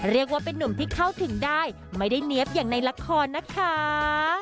เรียกว่าเป็นนุ่มที่เข้าถึงได้ไม่ได้เนี๊ยบอย่างในละครนะคะ